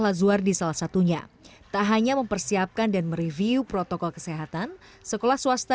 lazwar di salah satunya tak hanya mempersiapkan dan mereview protokol kesehatan sekolah swasta